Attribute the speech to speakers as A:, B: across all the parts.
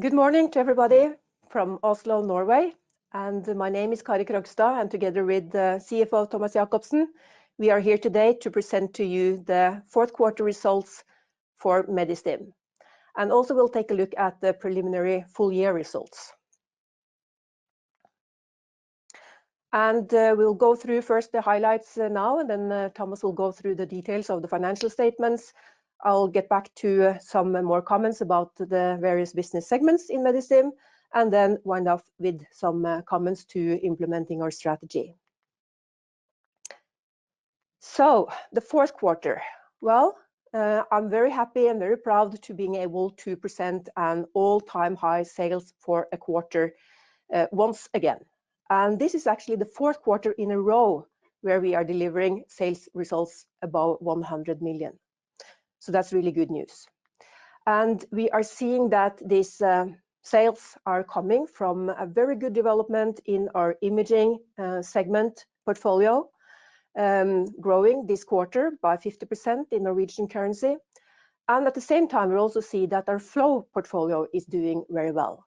A: Good morning to everybody from Oslo, Norway. My name is Kari Krogstad, and together with CFO Thomas Jakobsen, we are here today to present to you the fourth quarter results for Medistim. We'll take a look at the preliminary full year results. We'll go through first the highlights now, and then Thomas will go through the details of the financial statements. I'll get back to some more comments about the various business segments in Medistim and then wind up with some comments to implementing our strategy. The fourth quarter. Well, I'm very happy and very proud to being able to present an all-time high sales for a quarter, once again. This is actually the fourth quarter in a row where we are delivering sales results above 100 million. That's really good news. We are seeing that these sales are coming from a very good development in our imaging segment portfolio, growing this quarter by 50% in Norwegian currency. At the same time, we also see that our flow portfolio is doing very well.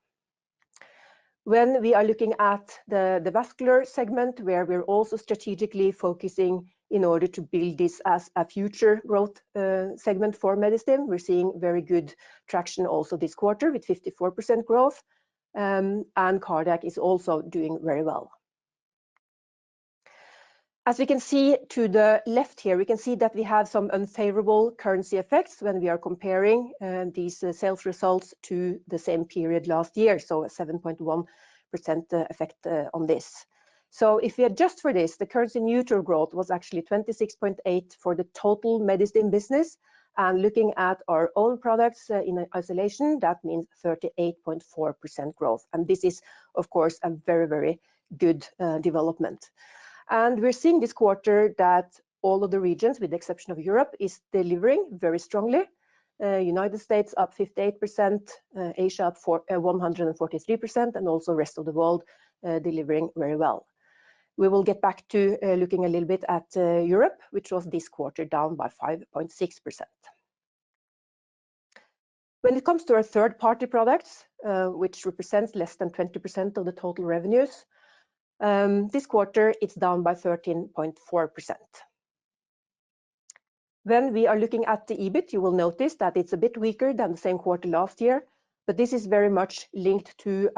A: When we are looking at the vascular segment, where we're also strategically focusing in order to build this as a future growth segment for Medistim, we're seeing very good traction also this quarter with 54% growth. Cardiac is also doing very well. As we can see to the left here, we can see that we have some unfavorable currency effects when we are comparing these sales results to the same period last year. A 7.1% effect on this. If we adjust for this, the currency neutral growth was actually 26.8% for the total Medistim business. Looking at our own products in isolation, that means 38.4% growth. This is, of course, a very, very good development. We're seeing this quarter that all of the regions, with the exception of Europe, is delivering very strongly, United States up 58%, Asia up 143%, and also rest of the world delivering very well. We will get back to looking a little bit at Europe, which was this quarter down by 5.6%. When it comes to our third-party products, which represents less than 20% of the total revenues, this quarter it's down by 13.4%. When we are looking at the EBIT, you will notice that it's a bit weaker than the same quarter last year, but this is very much linked to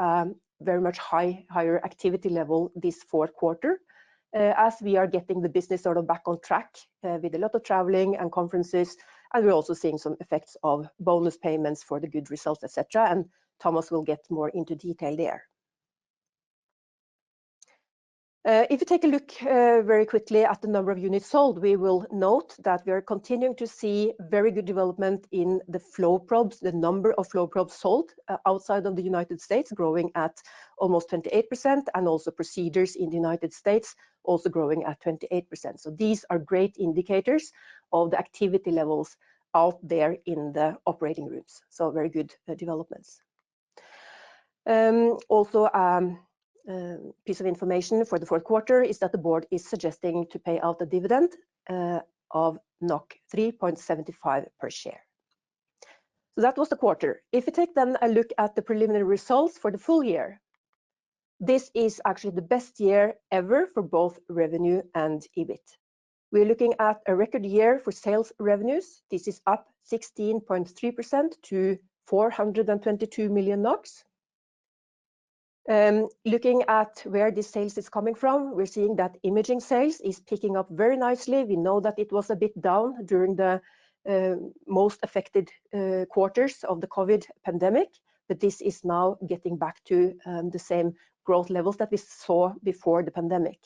A: higher activity level this fourth quarter, as we are getting the business sort of back on track, with a lot of traveling and conferences, and we're also seeing some effects of bonus payments for the good results, et cetera. Thomas will get more into detail there. If you take a look very quickly at the number of units sold, we will note that we are continuing to see very good development in the flow probes. The number of flow probes sold outside of the United States growing at almost 28%, and also procedures in the United States also growing at 28%. These are great indicators of the activity levels out there in the operating rooms. Very good developments. Also, piece of information for the fourth quarter is that the board is suggesting to pay out a dividend of 3.75 per share. That was the quarter. If you take then a look at the preliminary results for the full year, this is actually the best year ever for both revenue and EBIT. We're looking at a record year for sales revenues. This is up 16.3% to 422 million. Looking at where the sales is coming from, we're seeing that imaging sales is picking up very nicely. We know that it was a bit down during the most affected quarters of the COVID pandemic, but this is now getting back to the same growth levels that we saw before the pandemic.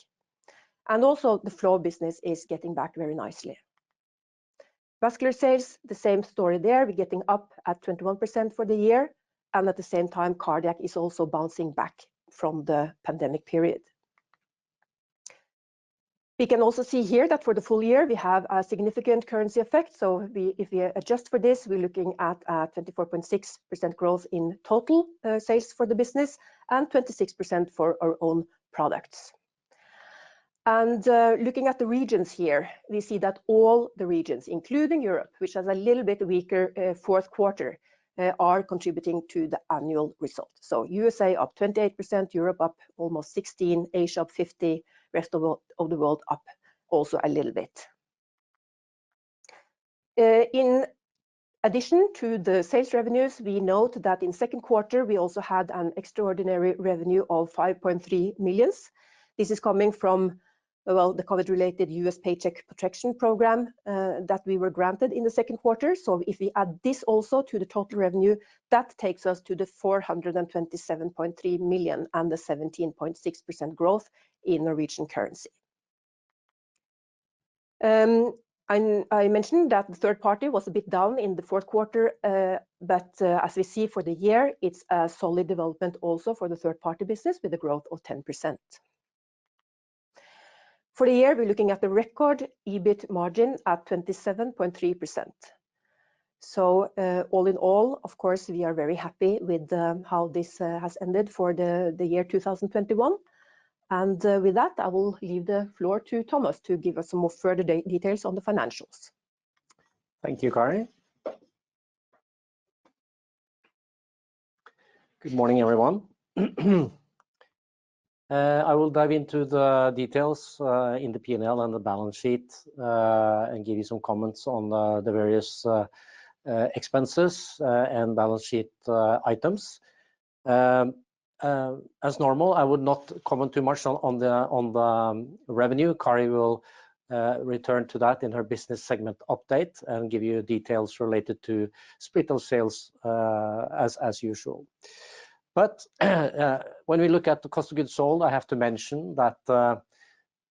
A: Also the flow business is getting back very nicely. Vascular sales, the same story there. We're getting up at 21% for the year, and at the same time, Cardiac is also bouncing back from the pandemic period. We can also see here that for the full year we have a significant currency effect. We, if we adjust for this, we're looking at 24.6% growth in total sales for the business and 26% for our own products. Looking at the regions here, we see that all the regions, including Europe, which has a little bit weaker fourth quarter, are contributing to the annual result. U.S. up 28%, Europe up almost 16%, Asia up 50%, rest of the world up also a little bit. In addition to the sales revenues, we note that in second quarter we also had an extraordinary revenue of 5.3 million. This is coming from the COVID-related U.S. Paycheck Protection Program that we were granted in the second quarter. If we add this also to the total revenue, that takes us to 427.3 million and 17.6% growth in Norwegian currency. I mentioned that the third party was a bit down in the fourth quarter, but as we see for the year, it's a solid development also for the third party business with a growth of 10%. For the year, we're looking at the record EBIT margin at 27.3%. All in all, of course, we are very happy with how this has ended for the year 2021. With that, I will leave the floor to Thomas to give us some more further details on the financials.
B: Thank you, Kari. Good morning, everyone. I will dive into the details in the P&L and the balance sheet and give you some comments on the various expenses and balance sheet items. As normal, I would not comment too much on the revenue. Kari will return to that in her business segment update and give you details related to specific sales, as usual. When we look at the cost of goods sold, I have to mention that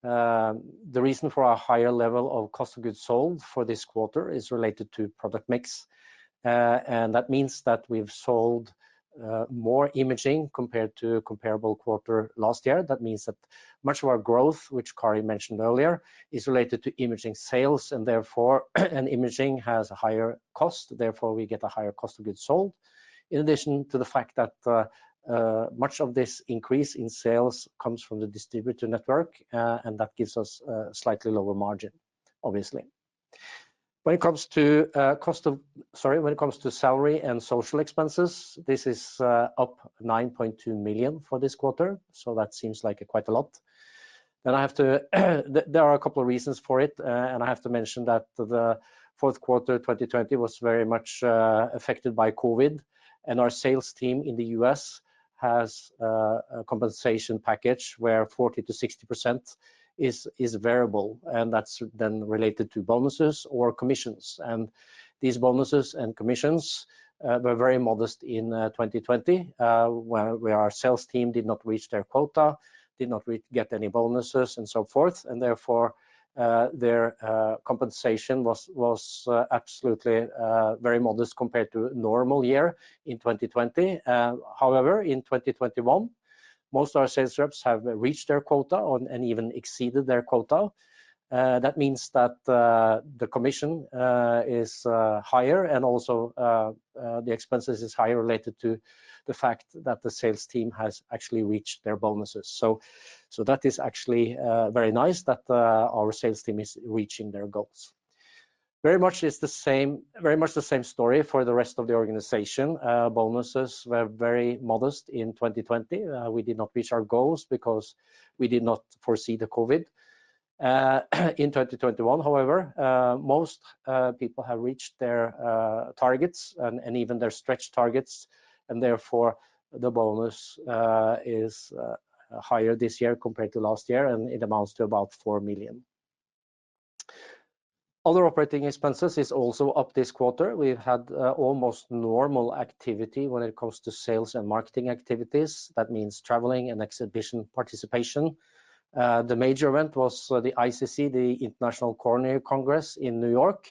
B: the reason for our higher level of cost of goods sold for this quarter is related to product mix. That means that we've sold more imaging compared to comparable quarter last year. That means that much of our growth, which Kari mentioned earlier, is related to imaging sales and therefore. Imaging has a higher cost, therefore we get a higher cost of goods sold. In addition to the fact that much of this increase in sales comes from the distributor network, and that gives us slightly lower margin, obviously. When it comes to salary and social expenses, this is up 9.2 million for this quarter, so that seems like quite a lot. There are a couple of reasons for it, and I have to mention that the fourth quarter 2020 was very much affected by COVID, and our sales team in the U.S. has a compensation package where 40%-60% is variable, and that's then related to bonuses or commissions. These bonuses and commissions were very modest in 2020, where our sales team did not reach their quota, did not get any bonuses and so forth, and therefore, their compensation was absolutely very modest compared to a normal year in 2020. However, in 2021, most of our sales reps have reached their quota and even exceeded their quota. That means that the commission is higher and also the expenses is higher related to the fact that the sales team has actually reached their bonuses. That is actually very nice that our sales team is reaching their goals. Very much the same story for the rest of the organization. Bonuses were very modest in 2020. We did not reach our goals because we did not foresee the COVID. In 2021, however, most people have reached their targets and even their stretch targets, and therefore the bonus is higher this year compared to last year, and it amounts to about 4 million. Other operating expenses is also up this quarter. We've had almost normal activity when it comes to sales and marketing activities. That means traveling and exhibition participation. The major event was the ICC, the International Coronary Congress in New York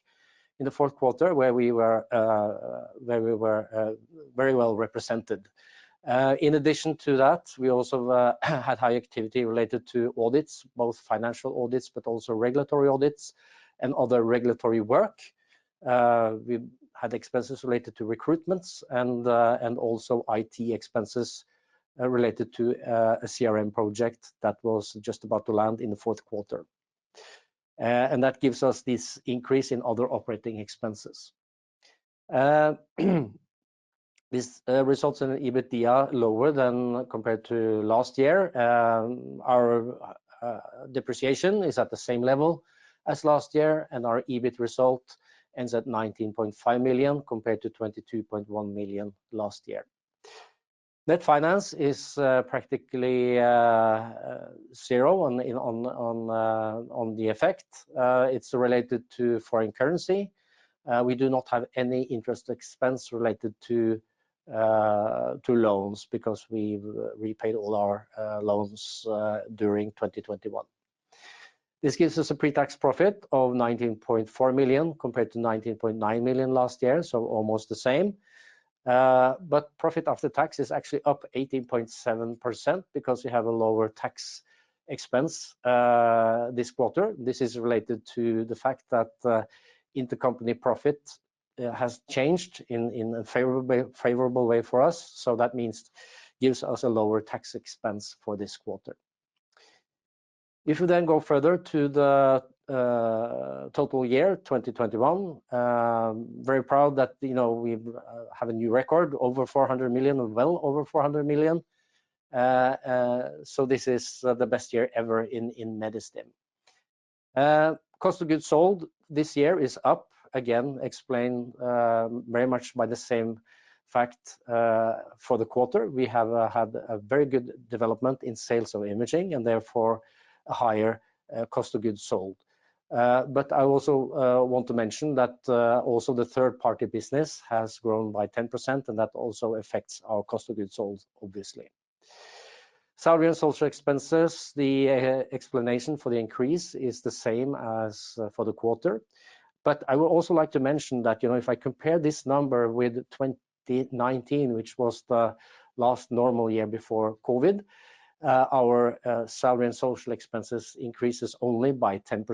B: in the fourth quarter, where we were very well represented. In addition to that, we also had high activity related to audits, both financial audits, but also regulatory audits and other regulatory work. We had expenses related to recruitments and also IT expenses related to a CRM project that was just about to land in the fourth quarter. That gives us this increase in other operating expenses. This results in EBITDA lower than compared to last year. Our depreciation is at the same level as last year, and our EBIT result ends at 19.5 million, compared to 22.1 million last year. Net finance is practically zero on the effect. It's related to foreign currency. We do not have any interest expense related to loans because we've repaid all our loans during 2021. This gives us a pre-tax profit of 19.4 million compared to 19.9 million last year, almost the same. Profit after tax is actually up 18.7% because we have a lower tax expense this quarter. This is related to the fact that intercompany profit has changed in a favorable way for us, that means gives us a lower tax expense for this quarter. If you go further to the total year 2021, very proud that you know we have a new record, over 400 million or well over 400 million. This is the best year ever in Medistim. Cost of goods sold this year is up, again explained very much by the same fact for the quarter. We have had a very good development in sales of imaging and therefore a higher cost of goods sold. I also want to mention that also the third-party business has grown by 10%, and that also affects our cost of goods sold obviously. Salary and social expenses, the explanation for the increase is the same as for the quarter. I would also like to mention that, you know, if I compare this number with 2019, which was the last normal year before COVID, our salary and social expenses increases only by 10%.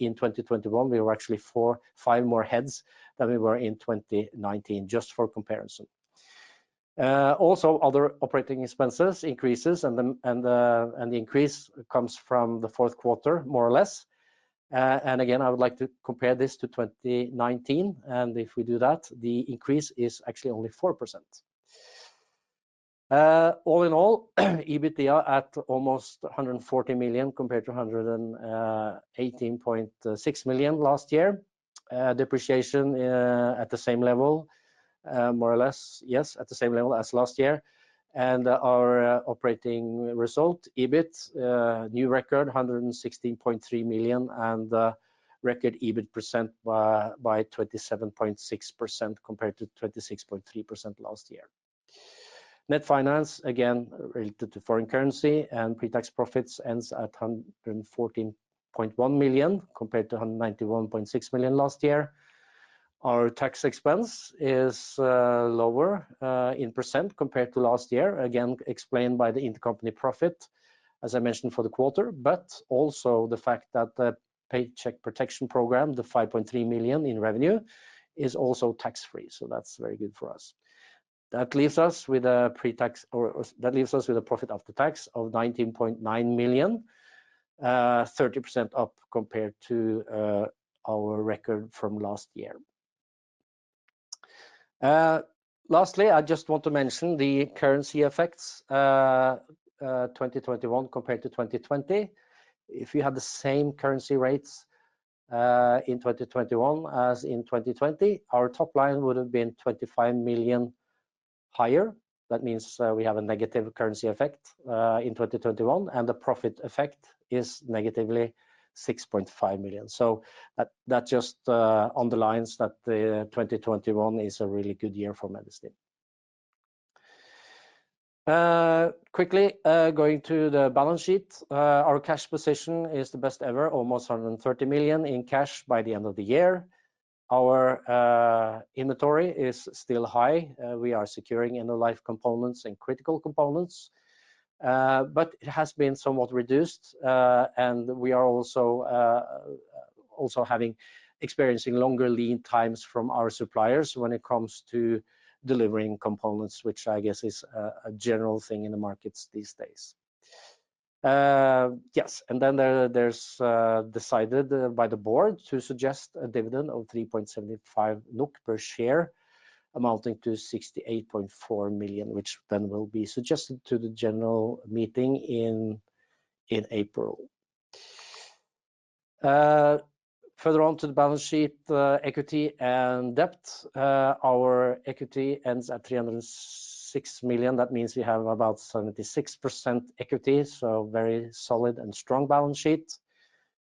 B: In 2021, we were actually 4-5 more heads than we were in 2019, just for comparison. Also other operating expenses increases and the increase comes from the fourth quarter, more or less. I would like to compare this to 2019, and if we do that, the increase is actually only 4%. All in all, EBITDA at almost 140 million compared to 118.6 million last year. Depreciation at the same level, more or less. Yes, at the same level as last year. Our operating result, EBIT, a new record, 116.3 million and record EBIT percent 27.6% compared to 26.3% last year. Net finance, again, related to foreign currency, and pre-tax profits ends at 114.1 million compared to 191.6 million last year. Our tax expense is lower in % compared to last year, again explained by the intercompany profit, as I mentioned for the quarter, but also the fact that the Paycheck Protection Program, the $5.3 million in revenue, is also tax-free, so that's very good for us. That leaves us with a profit after tax of 19.9 million, 30% up compared to our record from last year. Lastly, I just want to mention the currency effects, 2021 compared to 2020. If you have the same currency rates in 2021 as in 2020, our top line would have been 25 million higher. That means we have a negative currency effect in 2021, and the profit effect is negatively 6.5 million. That just underlines that 2021 is a really good year for Medistim. Quickly going to the balance sheet. Our cash position is the best ever, almost 130 million in cash by the end of the year. Our inventory is still high. We are securing end-of-life components and critical components, but it has been somewhat reduced, and we are also experiencing longer lead times from our suppliers when it comes to delivering components, which I guess is a general thing in the markets these days. The board has decided to suggest a dividend of 3.75 NOK per share, amounting to 68.4 million, which then will be suggested to the general meeting in April. Further on to the balance sheet, equity and debt. Our equity ends at 306 million. That means we have about 76% equity, so very solid and strong balance sheet.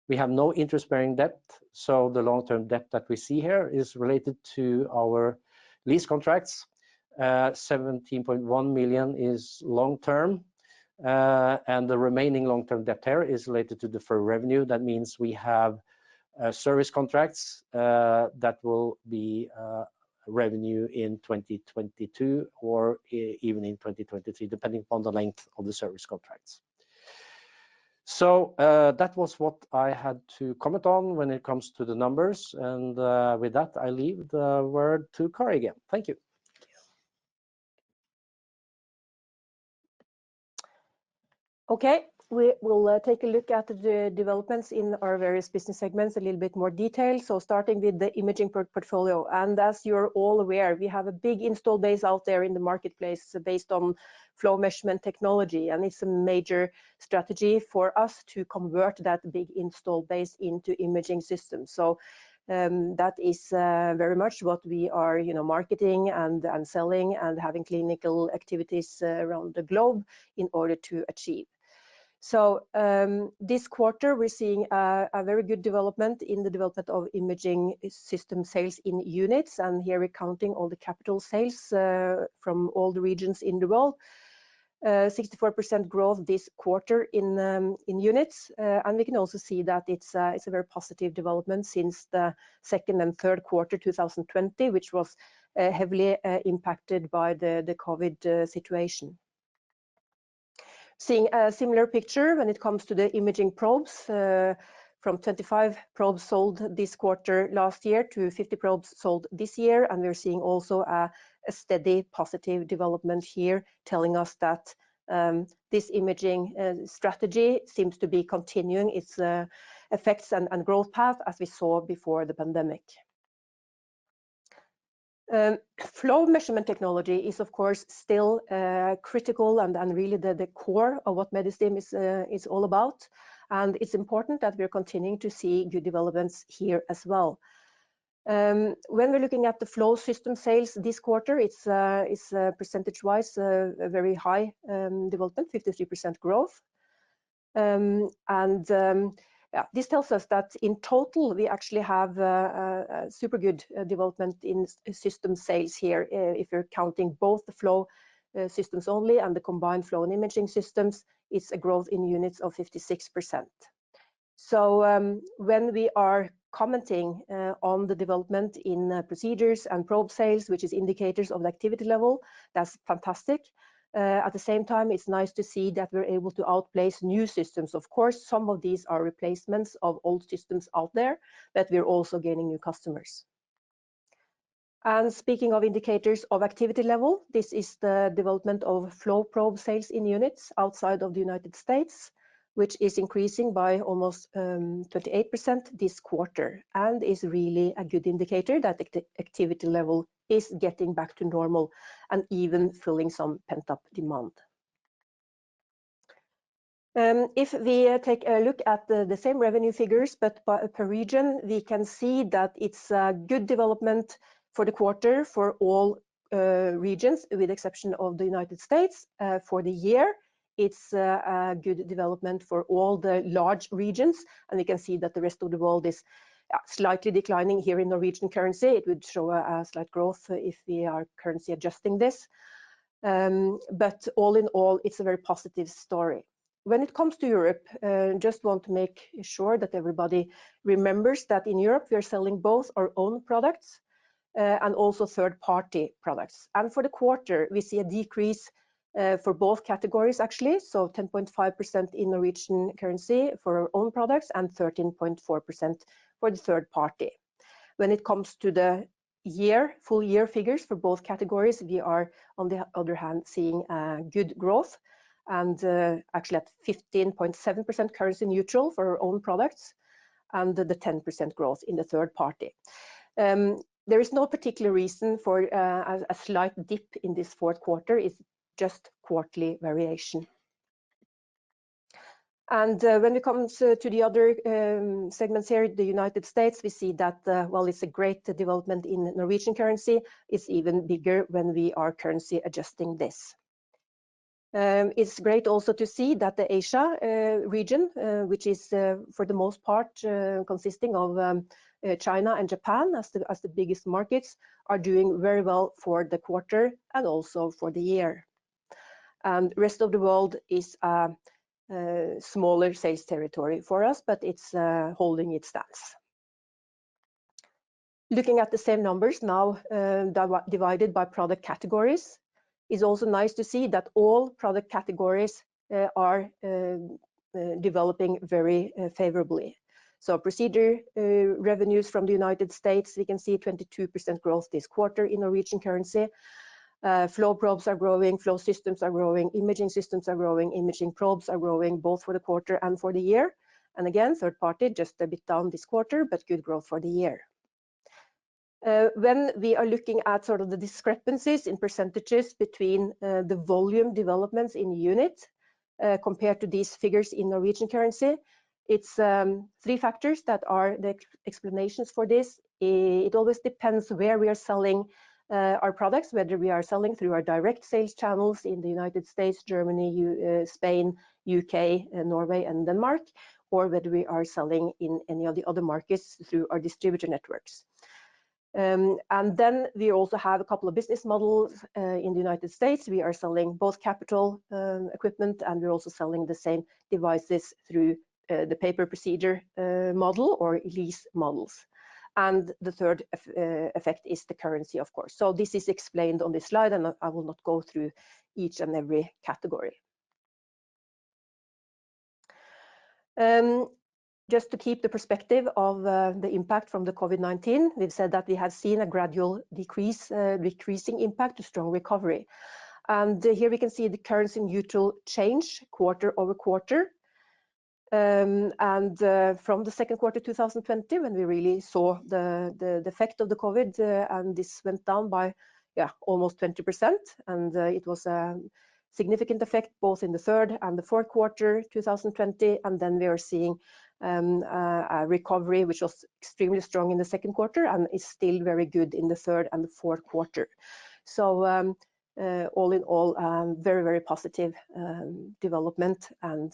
B: We have no interest-bearing debt, so the long-term debt that we see here is related to our lease contracts. 17.1 million is long-term, and the remaining long-term debt here is related to deferred revenue. That means we have service contracts that will be revenue in 2022 or even in 2023, depending upon the length of the service contracts. That was what I had to comment on when it comes to the numbers and, with that, I leave the word to Kari again. Thank you.
A: Okay. We will take a look at the developments in our various business segments in a little more detail. Starting with the imaging portfolio, and as you're all aware, we have a big installed base out there in the marketplace based on flow measurement technology, and it's a major strategy for us to convert that big installed base into imaging systems. That is very much what we are, you know, marketing and selling and having clinical activities around the globe in order to achieve. This quarter, we're seeing a very good development in the development of imaging system sales in units, and here we're counting all the capital sales from all the regions in the world. 64% growth this quarter in units. We can also see that it's a very positive development since the second and third quarter, 2020, which was heavily impacted by the COVID situation. We're seeing a similar picture when it comes to the imaging probes, from 25 probes sold this quarter last year to 50 probes sold this year, and we're seeing also a steady positive development here telling us that this imaging strategy seems to be continuing its effects and growth path as we saw before the pandemic. Flow measurement technology is, of course, still critical and really the core of what Medistim is all about, and it's important that we're continuing to see good developments here as well. When we're looking at the flow system sales this quarter, it's percentage-wise a very high development, 53% growth. This tells us that in total, we actually have a super good development in system sales here, if you're counting both the flow systems only and the combined flow and imaging systems, it's a growth in units of 56%. When we are commenting on the development in procedures and probe sales, which is indicators of the activity level, that's fantastic. At the same time, it's nice to see that we're able to outplace new systems. Of course, some of these are replacements of old systems out there, but we're also gaining new customers. Speaking of indicators of activity level, this is the development of flow probe sales in units outside of the United States, which is increasing by almost 38% this quarter and is really a good indicator that activity level is getting back to normal and even filling some pent-up demand. If we take a look at the same revenue figures, but per region, we can see that it's a good development for the quarter for all regions, with exception of the United States. For the year, it's a good development for all the large regions, and we can see that the rest of the world is slightly declining here in Norwegian currency. It would show a slight growth if we are currency adjusting this. All in all, it's a very positive story. When it comes to Europe, just want to make sure that everybody remembers that in Europe we are selling both our own products and also third-party products. For the quarter, we see a decrease for both categories actually, 10.5% in Norwegian currency for our own products and 13.4% for the third-party. When it comes to the year, full year figures for both categories, we are on the other hand seeing good growth and actually at 15.7% currency neutral for our own products and the 10% growth in the third-party. There is no particular reason for a slight dip in this fourth quarter. It's just quarterly variation. When it comes to the other segments here, the United States, we see that while it's a great development in Norwegian currency, it's even bigger when we are currency adjusting this. It's great also to see that the Asia region, which is for the most part consisting of China and Japan as the biggest markets, are doing very well for the quarter and also for the year. Rest of the world is smaller sales territory for us, but it's holding its stance. Looking at the same numbers now, divided by product categories, it's also nice to see that all product categories are developing very favorably. Procedure revenues from the United States, we can see 22% growth this quarter in Norwegian currency. Flow probes are growing, flow systems are growing, imaging systems are growing, imaging probes are growing, both for the quarter and for the year. Again, third party just a bit down this quarter, but good growth for the year. When we are looking at sort of the discrepancies in percentages between the volume developments in unit compared to these figures in Norwegian currency, it's three factors that are the explanations for this. It always depends where we are selling our products, whether we are selling through our direct sales channels in the United States, Germany, Spain, U.K., and Norway and Denmark, or whether we are selling in any of the other markets through our distributor networks. Then we also have a couple of business models in the United States. We are selling both capital equipment, and we're also selling the same devices through the pay-per-procedure model or lease models. The third effect is the currency, of course. This is explained on this slide, and I will not go through each and every category. Just to keep the perspective of the impact from the COVID-19, we've said that we have seen a gradual decrease, decreasing impact to strong recovery. Here we can see the currency neutral change quarter-over-quarter. From the second quarter 2020 when we really saw the effect of the COVID, this went down by almost 20%. It was a significant effect both in the third and the fourth quarter 2020. We are seeing a recovery which was extremely strong in the second quarter and is still very good in the third and the fourth quarter. All in all, very, very positive development and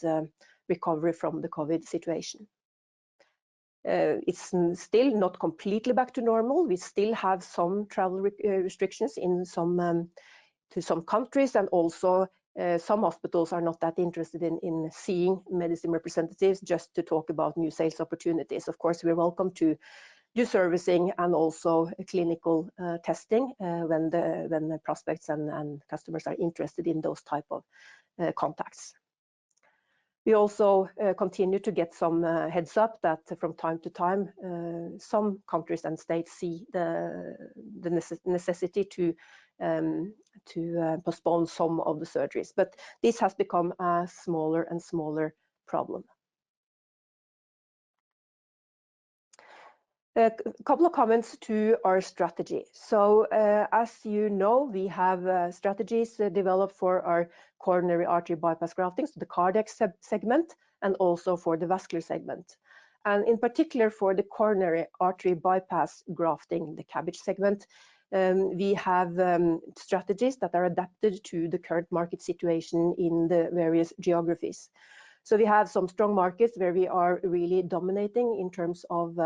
A: recovery from the COVID situation. It's still not completely back to normal. We still have some travel restrictions to some countries. Some hospitals are not that interested in seeing medical representatives just to talk about new sales opportunities. Of course, we're welcome to do servicing and also clinical testing when the prospects and customers are interested in those type of contacts. We also continue to get some heads up that from time to time some countries and states see the necessity to postpone some of the surgeries. But this has become a smaller and smaller problem. A couple of comments to our strategy. As you know, we have strategies developed for our coronary artery bypass grafting, so the Cardiac segment, and also for the vascular segment. In particular for the coronary artery bypass grafting, the CABG segment, we have strategies that are adapted to the current market situation in the various geographies. We have some strong markets where we are really dominating in terms of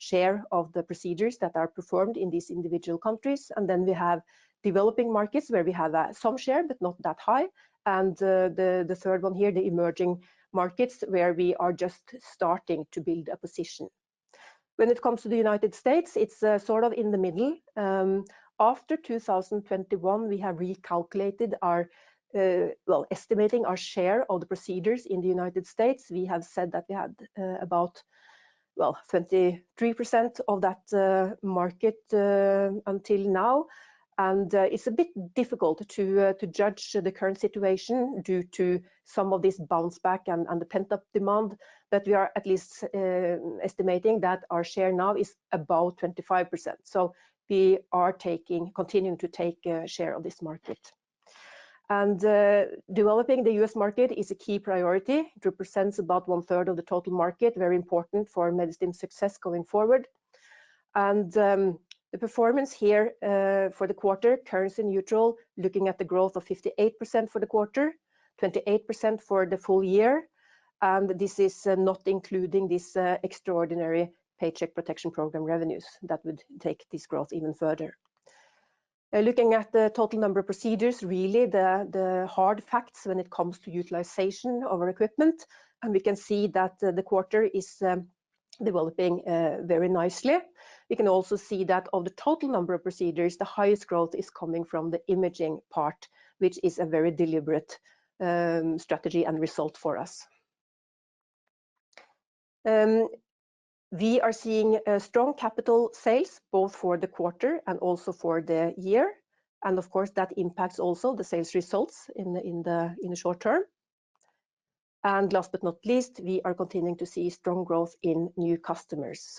A: share of the procedures that are performed in these individual countries. Then we have developing markets where we have some share, but not that high. The third one here, the emerging markets, where we are just starting to build a position. When it comes to the United States, it's sort of in the middle, after 2021, we have recalculated our estimating our share of the procedures in the United States. We have said that we had about 23% of that market until now. It's a bit difficult to judge the current situation due to some of this bounce back and the pent-up demand. We are at least estimating that our share now is about 25%. We are continuing to take share of this market. Developing the U.S. market is a key priority. It represents about 1/3 of the total market, very important for Medistim's success going forward. The performance here for the quarter, currency neutral, looking at the growth of 58% for the quarter, 28% for the full year. This is not including this extraordinary Paycheck Protection Program revenues that would take this growth even further. Looking at the total number of procedures, really the hard facts when it comes to utilization of our equipment, and we can see that the quarter is developing very nicely. We can also see that of the total number of procedures, the highest growth is coming from the imaging part, which is a very deliberate strategy and result for us. We are seeing strong capital sales both for the quarter and also for the year, and of course, that impacts also the sales results in the short term. Last but not least, we are continuing to see strong growth in new customers.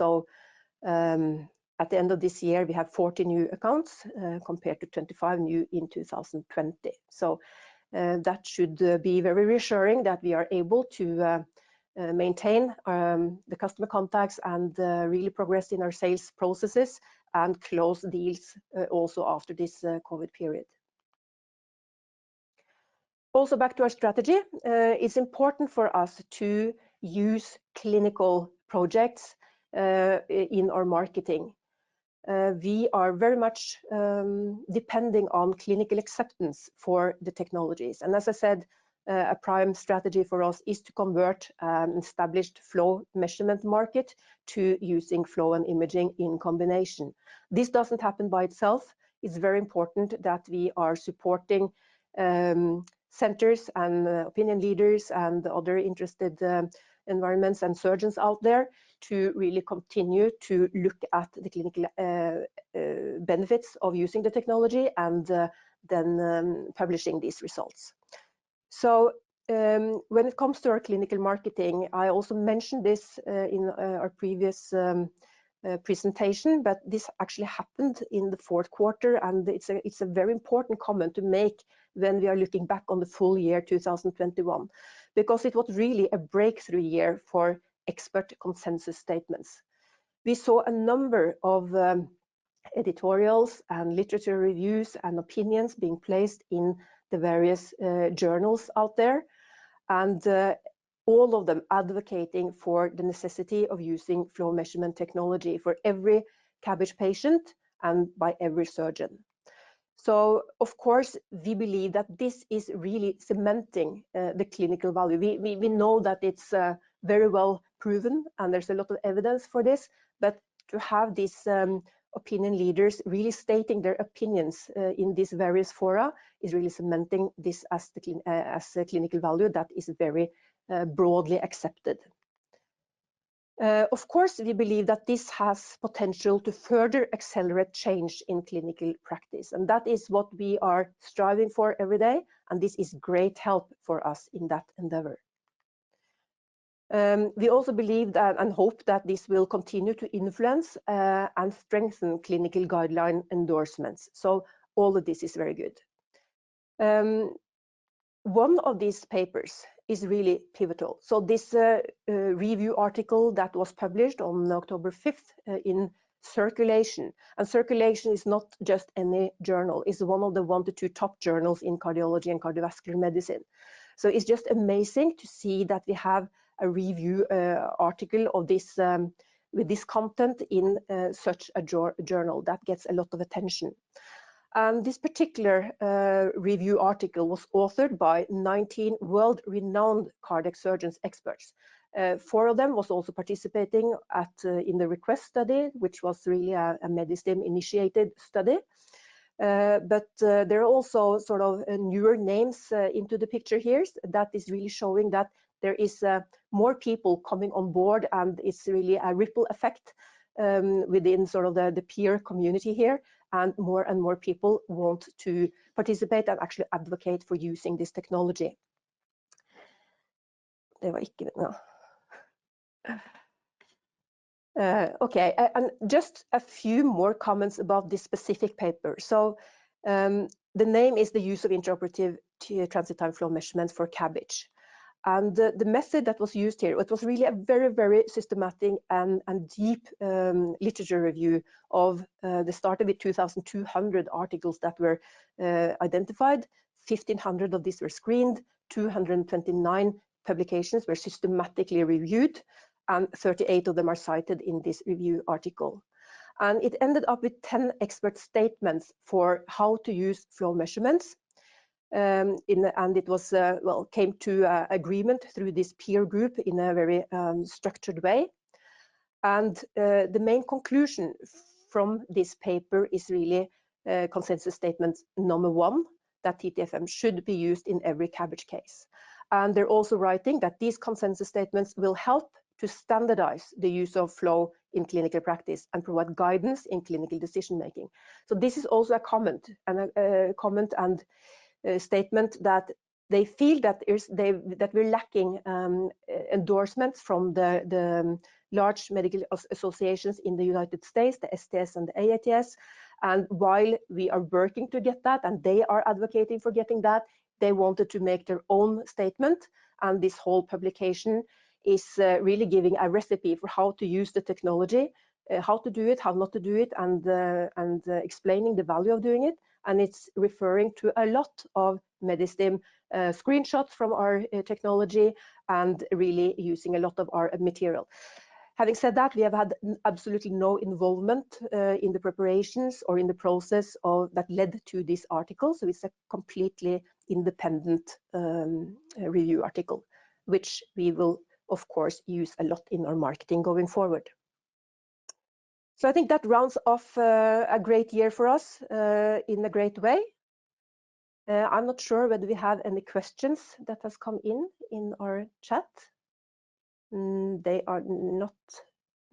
A: At the end of this year, we have 40 new accounts, compared to 25 new in 2020. That should be very reassuring that we are able to maintain the customer contacts and really progress in our sales processes and close deals, also after this COVID period. Also back to our strategy, it's important for us to use clinical projects in our marketing. We are very much depending on clinical acceptance for the technologies. As I said, a prime strategy for us is to convert an established flow measurement market to using flow and imaging in combination. This doesn't happen by itself. It's very important that we are supporting centers and opinion leaders and other interested environments and surgeons out there to really continue to look at the clinical benefits of using the technology and then publishing these results. When it comes to our clinical marketing, I also mentioned this in our previous presentation, but this actually happened in the fourth quarter, and it's a very important comment to make when we are looking back on the full year 2021, because it was really a breakthrough year for expert consensus statements. We saw a number of editorials and literature reviews and opinions being placed in the various journals out there, and all of them advocating for the necessity of using flow measurement technology for every CABG patient and by every surgeon. Of course, we believe that this is really cementing the clinical value. We know that it's very well proven and there's a lot of evidence for this. To have these opinion leaders really stating their opinions in these various fora is really cementing this as a clinical value that is very broadly accepted. Of course, we believe that this has potential to further accelerate change in clinical practice, and that is what we are striving for every day, and this is great help for us in that endeavor. We also believe that and hope that this will continue to influence and strengthen clinical guideline endorsements. All of this is very good. One of these papers is really pivotal. This review article that was published on October fifth in Circulation. Circulation is not just any journal, it's one of the 1-2 top journals in cardiology and cardiovascular medicine. It's just amazing to see that we have a review article of this with this content in such a journal that gets a lot of attention. This particular review article was authored by 19 world-renowned cardiac surgeons experts. Four of them was also participating in the REQUEST study, which was really a Medistim initiated study. There are also sort of newer names into the picture here that is really showing that there is more people coming on board, and it's really a ripple effect within sort of the peer community here. More and more people want to participate and actually advocate for using this technology. Okay. Just a few more comments about this specific paper. The name is "The Use of Intraoperative Transit-Time Flow Measurement for CABG." The method that was used here was really a very systematic and deep literature review. They started with 2,200 articles that were identified. 1,500 of these were screened. 229 publications were systematically reviewed, and 38 of them are cited in this review article. It ended up with 10 expert statements for how to use flow measurements, and it came to agreement through this peer group in a very structured way. The main conclusion from this paper is really consensus statement number one, that TTFM should be used in every CABG case. They're also writing that these consensus statements will help to standardize the use of flow in clinical practice and provide guidance in clinical decision-making. This is also a comment and a statement that they feel that we're lacking endorsements from the large medical associations in the United States, the STS and the AATS. While we are working to get that and they are advocating for getting that, they wanted to make their own statement. This whole publication is really giving a recipe for how to use the technology, how to do it, how not to do it, and explaining the value of doing it. It's referring to a lot of Medistim screenshots from our technology and really using a lot of our material. Having said that, we have had absolutely no involvement in the preparations or in the process that led to this article, so it's a completely independent review article, which we will of course use a lot in our marketing going forward. I think that rounds off a great year for us in a great way. I'm not sure whether we have any questions that has come in in our chat. Mm, they are not.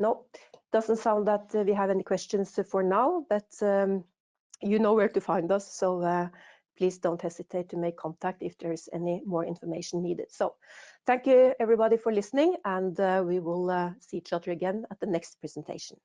A: No. Doesn't sound that we have any questions for now, but you know where to find us. Please don't hesitate to make contact if there's any more information needed. Thank you, everybody, for listening, and we will see each other again at the next presentation.